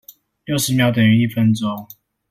六十秒等於一分鐘